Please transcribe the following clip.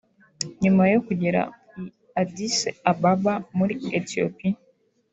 nyuma yo kugera i Addis Ababa muri Ethiopia